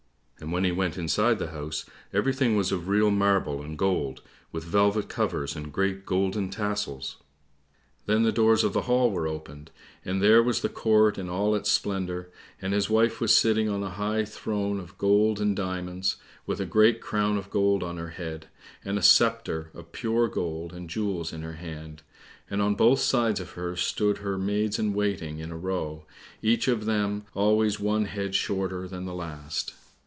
And when he went inside the house, everything was of real marble and gold, with velvet covers and great golden tassels. Then the doors of the hall were opened, and there was the court in all its splendour, and his wife was sitting on a high throne of gold and diamonds, with a great crown of gold on her head, and a sceptre of pure gold and jewels in her hand, and on both sides of her stood her maids in waiting in a row, each of them always one head shorter than the last.